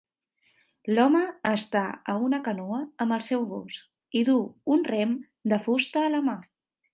L'home està a una canoa amb el seu gos i duu un rem de fusta a la mà.